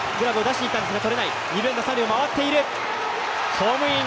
ホームイン！